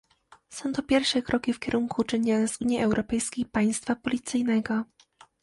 Są to pierwsze kroki w kierunku uczynienia z Unii Europejskiej państwa policyjnego